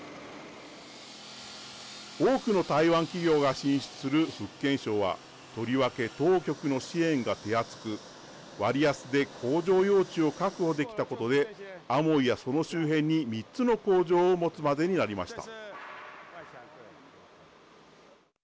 多くの台湾企業が進出する福建省はとりわけ当局の支援が手厚く割安で工場用地を確保できたことでアモイやその周辺に３つの工場を持つまでになりました。